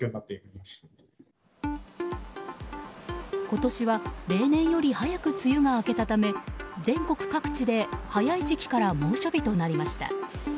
今年は例年より早く梅雨が明けたため全国各地で早い時期から猛暑日となりました。